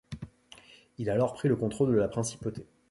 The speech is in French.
Il a alors pris le contrôle de la principauté.